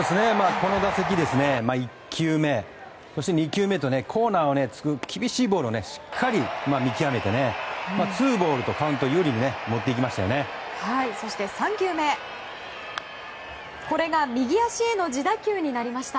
この打席、１球目そして２球目とコーナーをつく厳しいボールをしっかり見極めてツーボールトカウントを有利に持ってきました。